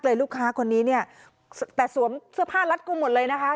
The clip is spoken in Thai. ลูกค้าคนนี้เนี่ยแต่สวมเสื้อผ้ารัดกลุ่มหมดเลยนะคะ